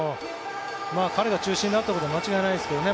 彼が中心になったことは間違いないですけどね。